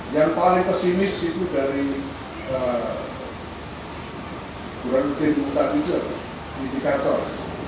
yang paling pesimis itu dari burundi minta tidur indikator